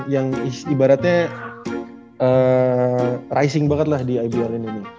yang ibaratnya rising banget lah di ibl ini